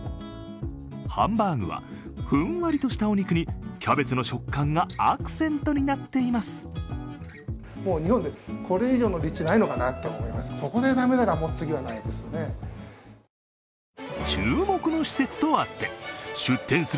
ハンバーグはふんわりとしたお肉にキャベツの食感がアクセントになっています。